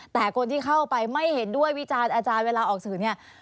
แต่คนที่เข้าไปไม่เห็นด้วยวิจารณ์อาจารย์เวลาออกสื่อเนี่ย